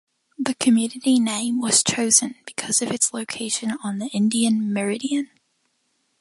The community name was chosen because of its location on the Indian Meridian.